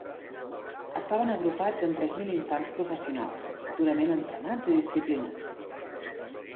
Estaven agrupats en tres mil infants professionals, durament entrenats i disciplinats.